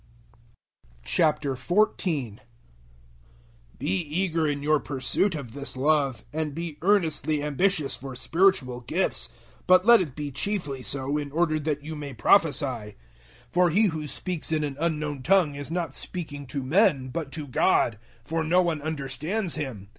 014:001 Be eager in your pursuit of this Love, and be earnestly ambitious for spiritual gifts, but let it be chiefly so in order that you may prophesy. 014:002 For he who speaks in an unknown tongue is not speaking to men, but to God; for no one understands him.